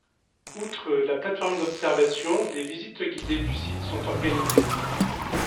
Outre la plateforme d'observation, des visites guidée du site sont organisées.